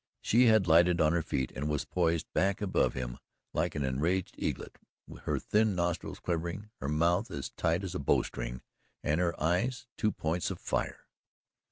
She had lighted on her feet and was poised back above him like an enraged eaglet her thin nostrils quivering, her mouth as tight as a bow string, and her eyes two points of fire.